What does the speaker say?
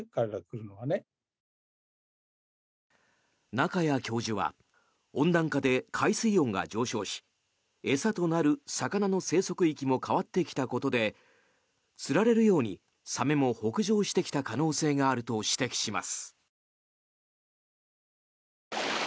仲谷教授は温暖化で海水温が上昇し餌となる魚の生息域も変わってきたことでつられるようにサメも北上してきた可能性があると指摘します。